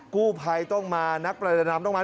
กู้ภัยต้องมานักประดาน้ำต้องมา